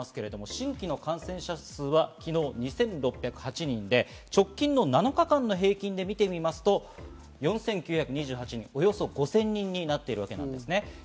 新規感染者数は昨日２６０８人で直近７日間の平均でみると４９２８人、およそ５０００人になっています。